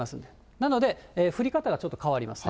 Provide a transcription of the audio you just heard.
なので降り方がちょっと変わりますね。